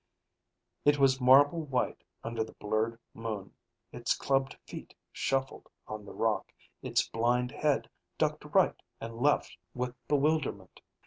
It was marble white under the blurred moon. Its clubbed feet shuffled on the rock. Its blind head ducked right and left with bewilderment.